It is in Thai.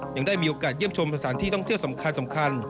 ยังได้มีโอกาสเยี่ยมชมสถานที่ท่องเที่ยวสำคัญ